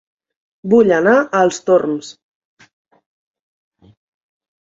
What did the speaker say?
Vull anar a Els Torms